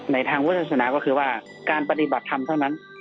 ในทางพุทธศาสนาก็คือว่าการปฏิบัติธรรมเท่านั้น